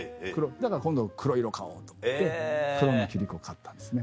だから今度黒色買おうと思って黒の切子を買ったんですね。